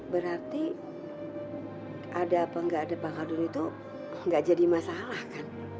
berarti ada apa gak ada bang kadun itu gak jadi masalah kan